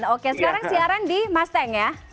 oke sekarang siaran di masteng ya